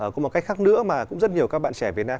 có một cách khác nữa mà cũng rất nhiều các bạn trẻ việt nam